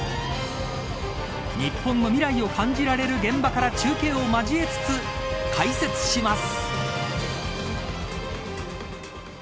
日本の未来を感じられる現場から中継を交えつつ解説します。